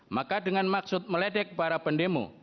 maka dengan maksud meledek para pendemo